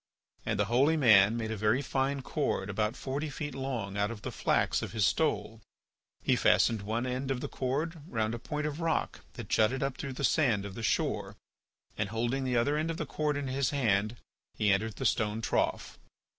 And the holy man made a very fine cord about forty feet long out of the flax of his stole. He fastened one end of the cord round a point of rock that jutted up through the sand of the shore and, holding the other end of the cord in his hand, he entered the stone trough.